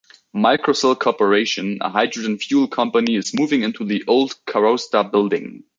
Microcell Corporation, a hydrogen fuel company is moving into the old Caraustar building.